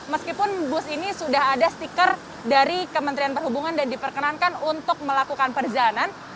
meskipun bus ini sudah ada stiker dari kementerian perhubungan dan diperkenankan untuk melakukan perjalanan